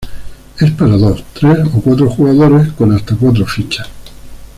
Es para dos, tres o cuatro jugadores con hasta cuatro fichas.